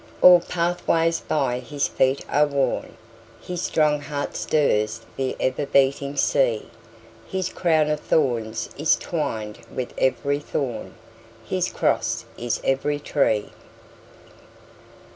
All pathways by his feet are worn, His strong heart stirs the ever beating sea, His crown of thorns is twined with every thorn, His cross is every tree.